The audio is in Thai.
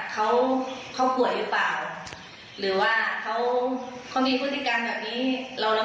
เขาเขาป่วยหรือเปล่าหรือว่าเขาเขามีพฤติกรรมแบบนี้เราเรา